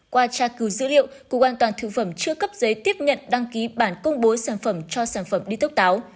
qua tra cứu dữ liệu cục an toàn thực phẩm chưa cấp giấy tiếp nhận đăng ký bản công bố sản phẩm cho sản phẩm đi tước táo